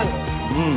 うん。